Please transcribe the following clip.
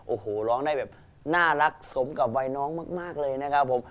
โอ้โหร้องได้แบบน่ารักสมกับวัยน้องมากเลยนะครับผม